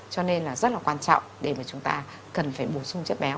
cho nên là rất là quan trọng để mà chúng ta cần phải bổ sung chất béo